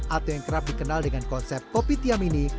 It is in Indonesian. atau yang kerap dikenal dengan konsep kopi tiam ini